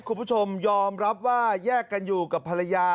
คุณผู้ชมยอมรับว่าแยกกันอยู่กับภรรยา